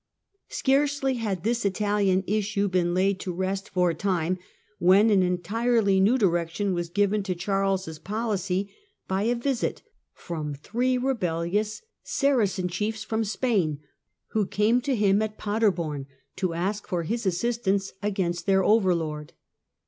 The Scarcely had this Italian issue been laid to rest for campaign, a ti me when an entirely new direction was given to Charles' policy by a visit from three rebellious Saracen 160 778 CHARLES, KING < >F THE FRANKS, 773 799 161 chiefs from Spain, who came to him at Paderborn to ask for his assistance against their overlord.